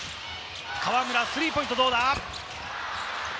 河村スリーポイントはどうか？